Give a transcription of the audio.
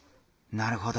なるほど。